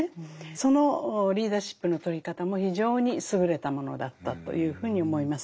そのリーダーシップの取り方も非常に優れたものだったというふうに思います。